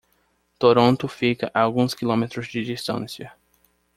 Toronto fica a alguns quilômetros de distância.